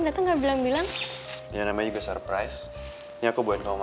ya allah ya allah ya allah ya allah ya allah